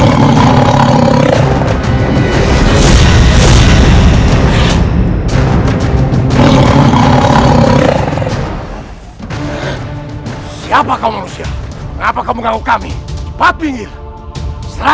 terima kasih videonya